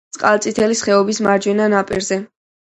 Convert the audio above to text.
წყალწითელის ხეობის მარჯვენა ნაპირზე.